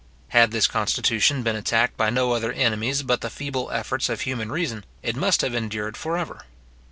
Had this constitution been attacked by no other enemies but the feeble efforts of human reason, it must have endured for ever.